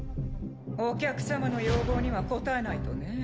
お客様の要望には応えないとね。